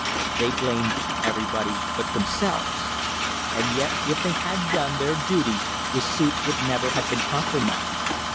They blamed everybody but themselves, and yet if they had done their duty the suits would never have been compromised.